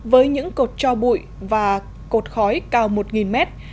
với những cột cho bụi và cột khói cao một mét